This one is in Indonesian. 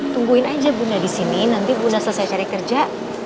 tungguin aja bunda di sini nanti bunda selesai cari kerja